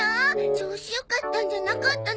調子良かったんじゃなかったの？